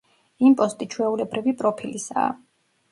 იმპოსტი ჩვეულებრივი პროფილისაა.